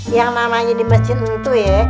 yang namanya di masjid itu ya